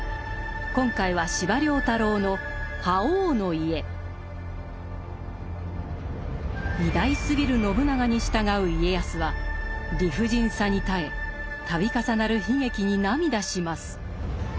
今回は司馬太郎の「覇王の家」。偉大すぎる信長に従う家康は理不尽さに耐え度重なる悲劇に涙します。